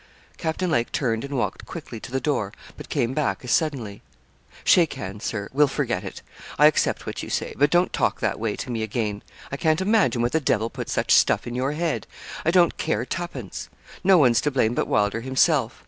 Captain Lake turned and walked quickly to the door, but came back as suddenly. 'Shake hands, Sir. We'll forget it. I accept what you say; but don't talk that way to me again. I can't imagine what the devil put such stuff in your head. I don't care twopence. No one's to blame but Wylder himself.